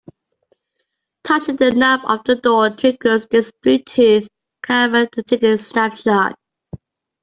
Touching the knob of the door triggers this Bluetooth camera to take a snapshot.